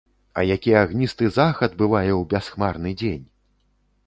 А які агністы захад бывае ў бясхмарны дзень!